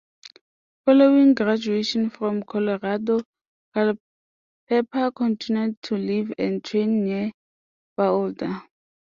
Following graduation from Colorado, Culpepper continued to live and train near Boulder.